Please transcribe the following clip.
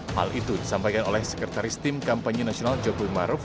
hal itu disampaikan oleh sekretaris tim kampanye nasional jokowi maruf